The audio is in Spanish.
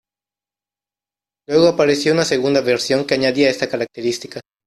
Luego apareció una segunda versión que añadía esta característica.